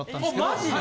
マジで？